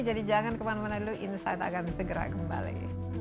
jadi jangan kemana mana dulu insight akan segera kembali